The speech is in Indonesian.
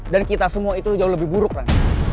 dan kita semua itu jauh lebih buruk ran